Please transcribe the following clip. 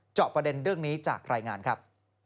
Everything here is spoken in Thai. จอบประเด็นเรื่องนี้จากรายงานครับ